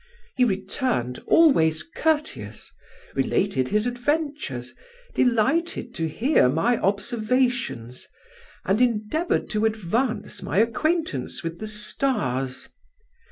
He returned always courteous, related his adventures, delighted to hear my observations, and endeavoured to advance my acquaintance with the stars.